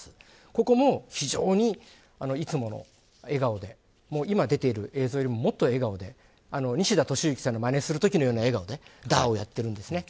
ここも非常に、いつもの笑顔で、今出ている映像よりももっと笑顔で、西田敏行さんのまねをするときのような笑顔でダーをやっているんですね。